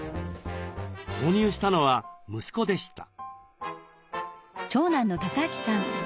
購入したのは息子でした。